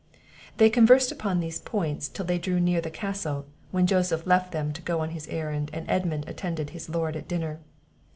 They conversed on these points till they drew near the castle, when Joseph left them to go on his errand, and Edmund attended his Lord at dinner.